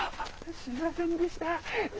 すいませんでした。